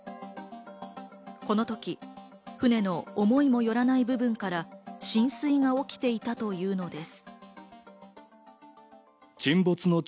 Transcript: このとき、船の思いもよらない部分から浸水が起きていたというのです。